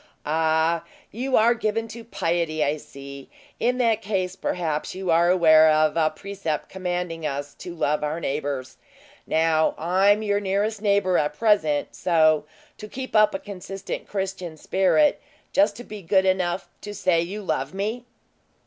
"Ah! you are given to piety, I see. In that case, perhaps you are aware of a precept commanding us to love our neighbors. Now, I'm your nearest neighbor at present; so, to keep up a consistent Christian spirit, just be good enough to say you love me!"